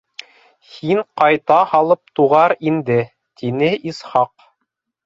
Һин ҡайта һалып туғар инде, — тине Исхаҡ.